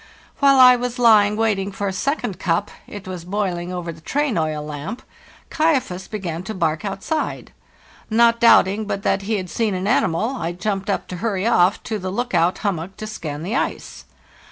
While I was lying waiting for a second cup —it was boiling over the train oil lamp—~* Iwaifas' began to bark outside. Not doubting but that he had seen an animal, | jumped up to hurry off to the lookout hum mock to scan the ice.